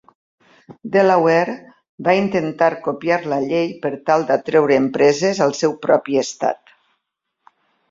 Delaware va intentar copiar la llei per tal d'atreure empreses al seu propi estat.